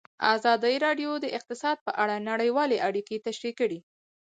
ازادي راډیو د اقتصاد په اړه نړیوالې اړیکې تشریح کړي.